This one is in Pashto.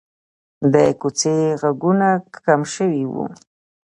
د کوڅې غږونه کم شوي وو.